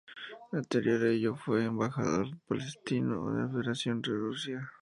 Anterior a ello fue embajador palestino ante la Federación de Rusia.